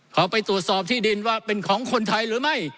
เขาไปตรวจสอบที่ดินว่าเป็นของคนไทยหรือไม่